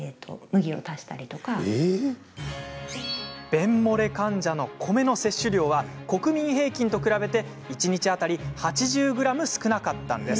便もれ患者の米の摂取量は国民平均と比べ、一日当たり８０ｇ少なかったんです。